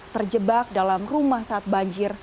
terjebak dalam rumah saat banjir